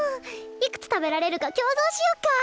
いくつ食べられるか競争しよっか？